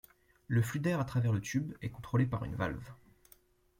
Le flux d'air à travers le tube est contrôlé par une valve.